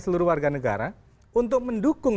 seluruh warga negara untuk mendukung